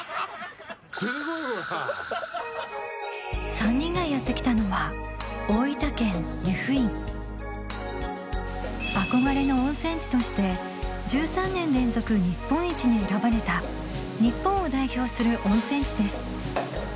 ３人がやって来たのは憧れの温泉地として１３年連続日本一に選ばれた日本を代表する温泉地です